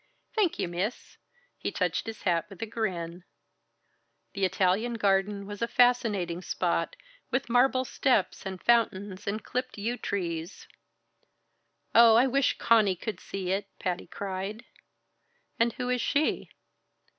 "Thank ye, Miss," he touched his hat with a grin. The Italian garden was a fascinating spot, with marble steps and fountains and clipped yew trees. "Oh, I wish Conny could see it!" Patty cried. "And who is she?"